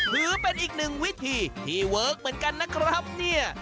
ถือเป็นอีกหนึ่งวิธีที่เวิร์คเหมือนกันนะครับเนี่ย